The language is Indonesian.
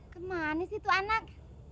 jamanes itu anak